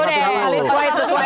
sesuai sesuai sesuai